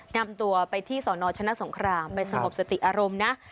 นำตัวไปที่สนชนะสงครามไปสงบสติอารมณ์นะ